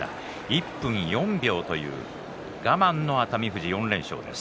１分４秒という我慢の熱海富士、４連勝です。